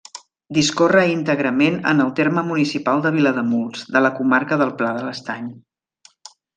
Discorre íntegrament en el terme municipal de Vilademuls, de la comarca del Pla de l'Estany.